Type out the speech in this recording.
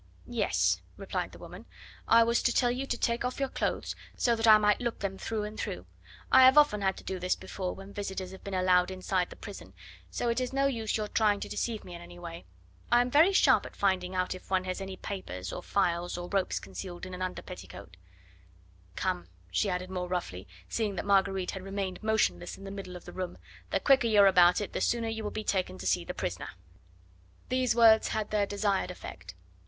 "Yes," replied the woman. "I was to tell you to take off your clothes, so that I might look them through and through. I have often had to do this before when visitors have been allowed inside the prison, so it is no use your trying to deceive me in any way. I am very sharp at finding out if any one has papers, or files or ropes concealed in an underpetticoat. Come," she added more roughly, seeing that Marguerite had remained motionless in the middle of the room; "the quicker you are about it the sooner you will be taken to see the prisoner." These words had their desired effect.